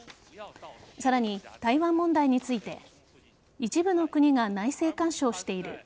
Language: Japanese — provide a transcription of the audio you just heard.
さらに、台湾問題について一部の国が内政干渉している。